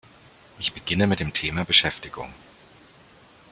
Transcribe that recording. Ich beginne mit dem Thema Beschäftigung.